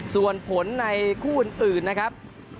ส่วนผลในคู่อื่นนะครับ